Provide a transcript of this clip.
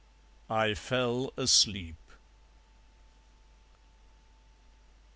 I fell asleep.